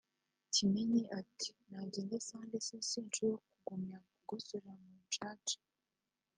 Kimenyi ati “Nagende asange se sinshoboye kugumya kugosorera mu rucaca